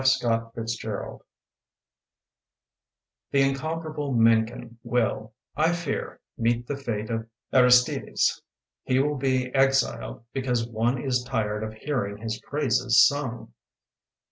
Scott Fitzgerald n'TEEE incomparable Mencken will, I 1 fear, meet the fate of Aristides. He will be exiled because one is tired of hearing his praises sung.